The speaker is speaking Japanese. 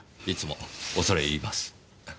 いつも恐れ入ります。